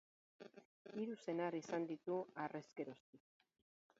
Hiru senar izan ditu harrezkeroztik.